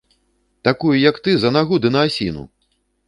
Такую, як ты, за нагу ды на асіну!